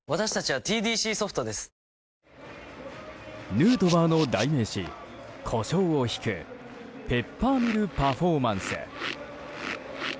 ヌートバーの代名詞コショウをひくペッパーミル・パフォーマンス。